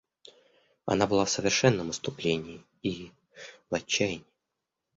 Она была в совершенном исступлении и – в отчаянии.